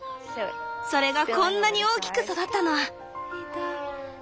それがこんなに大きく育ったの！